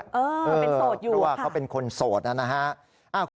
เออเป็นโสดอยู่ค่ะเพราะว่าเขาเป็นคนโสดน่ะนะฮะอ้าวขอบคุณครับ